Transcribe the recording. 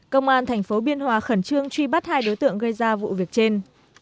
công an thành phố biên hòa khẩn trương truy bắt hai đối tượng gây ra vụ việc trên